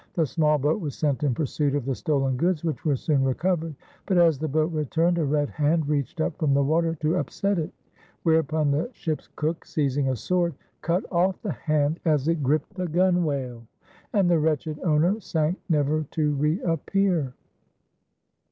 The small boat was sent in pursuit of the stolen goods, which were soon recovered; but, as the boat returned, a red hand reached up from the water to upset it, whereupon the ship's cook, seizing a sword, cut off the hand as it gripped the gunwale, and the wretched owner sank never to reappear.